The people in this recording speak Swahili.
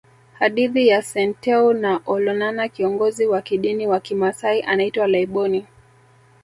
Hadithi ya Senteu na Olanana Kiongozi wa kidini wa kimasai anaitwa Laiboni